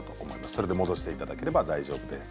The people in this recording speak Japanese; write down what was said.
それで戻していただければ大丈夫です。